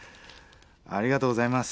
ありがとうございます。